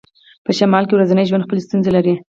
په شمال کې ورځنی ژوند خپلې ستونزې لري